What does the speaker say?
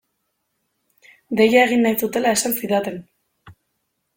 Deia egin nahi zutela esan zidaten.